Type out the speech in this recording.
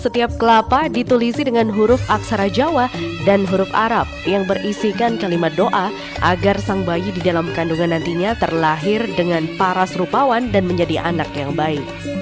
setiap kelapa ditulisi dengan huruf aksara jawa dan huruf arab yang berisikan kalimat doa agar sang bayi di dalam kandungan nantinya terlahir dengan paras rupawan dan menjadi anak yang baik